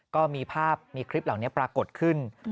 ก็มีภาพมีคลิปเหล่านี้ปรากฏขึ้น